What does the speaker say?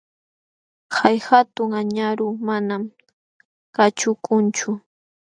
Hay hatun añaru manam kaćhukunchu.